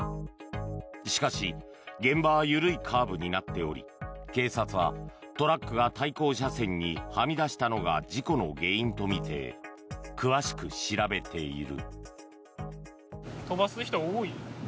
しかし現場は緩いカーブになっており警察はトラックが対向車線にはみ出したのが事故の原因とみて詳しく調べている。